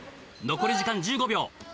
残り時間１５秒。